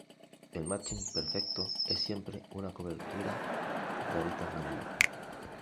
Un matching perfecto es siempre una cobertura de aristas mínima.